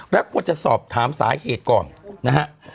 และควรจะสอบถามสาเหตุก่อนนะฮะ